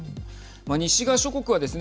西側諸国はですね